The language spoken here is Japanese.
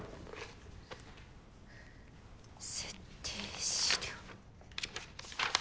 「設定資料」。